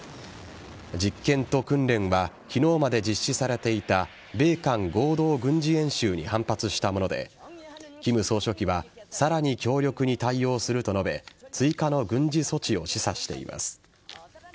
実験と訓練は昨日まで実施されていた米韓合同軍事演習に反発したもので金総書記はさらに強力に対応すると述べ追加の軍事措置を示唆しています。